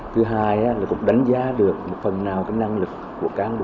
thứ hai là cũng đánh giá được một phần nào năng lực của các đồ công chức